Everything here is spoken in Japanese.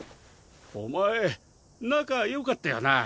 お前仲よかったよな？